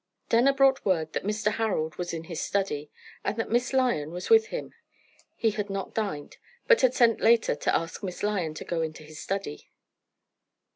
Denner brought word that Mr. Harold was in his study, and that Miss Lyon was with him. He had not dined, but had sent later to ask Miss Lyon to go into his study.